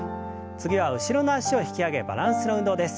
次は後ろの脚を引き上げバランスの運動です。